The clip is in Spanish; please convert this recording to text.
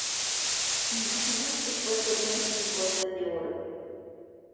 ¿ imaginas que fue por unos lingotes de oro?